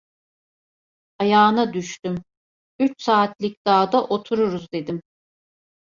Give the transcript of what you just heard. Ayağına düştüm: "Üç saatlik dağda otururuz" dedim.